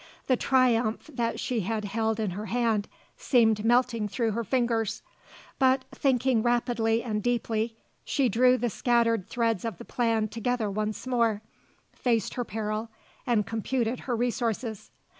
The triumph that she had held in her hand seemed melting through her fingers; but, thinking rapidly and deeply, she drew the scattered threads of the plan together once more, faced her peril and computed her resources.